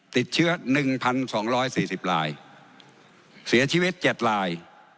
ติดเชื้อ๑๒๔๐รายเสียชีวิต๗ลาย